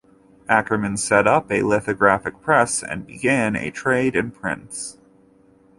Ackermann set up a lithographic press and began a trade in prints.